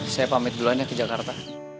saya pamit duluannya ke jakarta